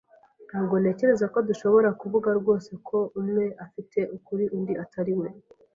Ntabwo ntekereza ko dushobora kuvuga rwose ko umwe afite ukuri undi atari we.